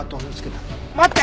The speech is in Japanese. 待って！